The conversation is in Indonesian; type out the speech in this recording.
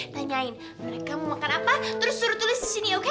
tanyain mereka mau makan apa terus suruh tulis disini oke